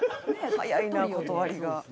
早いな断りが。